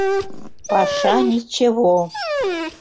— Паша ничево...